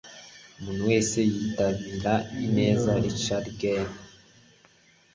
umuntu wese yitabira ineza. - richard gere